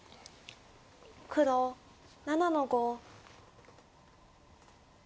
黒７の五。